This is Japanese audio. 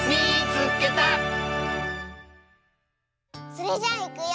それじゃあいくよ。